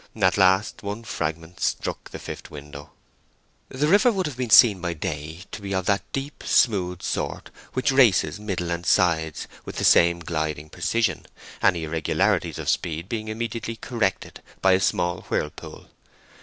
At last one fragment struck the fifth window. The river would have been seen by day to be of that deep smooth sort which races middle and sides with the same gliding precision, any irregularities of speed being immediately corrected by a small whirlpool.